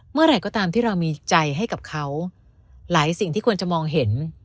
เมื่อไหร่ก็ตามที่เรามีใจให้กับเขาหลายสิ่งที่ควรจะมองเห็น